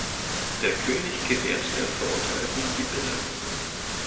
Der König gewährt dem Verurteilten die Bitte.